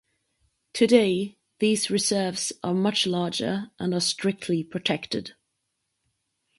Today, these reserves are much larger and are strictly protected.